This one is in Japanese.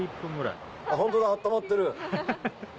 ホントだ温まってる。